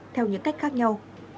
theo những cách khác nhau